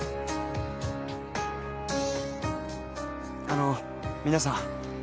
あのう皆さん。